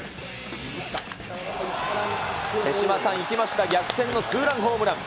手嶋さん、いきました、逆転のツーランホームラン。